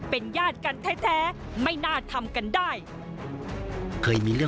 เป็นญาติกันแท้ไม่น่าทำกันได้